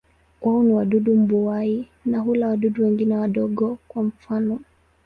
Wao ni wadudu mbuai na hula wadudu wengine wadogo, kwa mfano.